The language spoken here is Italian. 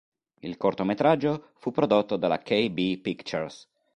Il cortometraggio fu prodotto dalla Kay-Bee Pictures.